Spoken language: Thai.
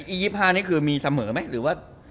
อีก๒๕คือจำหมดไหม